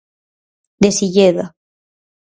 De Silleda.